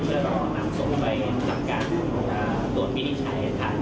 เพื่อรองังส่งเข้าไปทำการตรวจวินิจฉันให้ทัน